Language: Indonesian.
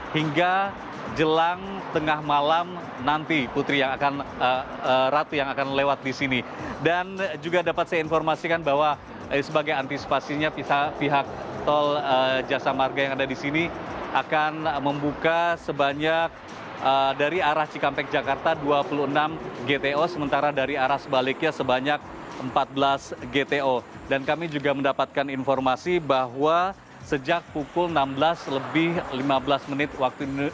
kita jelang tengah malam nanti putri yang akan ratu yang akan lewat di sini dan juga dapat saya informasikan bahwa sebagai antisipasinya pihak tol jasa marga yang ada di sini akan membuka sebanyak dari arah cikampek jakarta dua puluh enam gto sementara dari arah sebaliknya sebanyak empat belas gto dan kami juga mendapatkan informasi bahwa sejak pukul enam belas lebih lima belas menit waktu ini